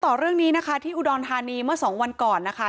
ต่อเรื่องนี้นะคะที่อุดรธานีเมื่อสองวันก่อนนะคะ